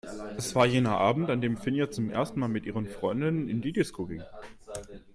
Es war jener Abend, an dem Finja zum ersten Mal mit ihren Freundinnen in die Disco ging.